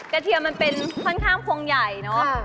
กระเทียมันเป็นค่อนข้างพวงใหญ่เนอะค่ะ